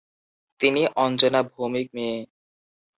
তিনি অঞ্জনা ভৌমিক মেয়ে।